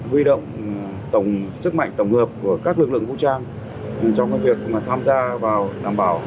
huy động tổng sức mạnh tổng hợp của các lực lượng vũ trang trong việc tham gia vào đảm bảo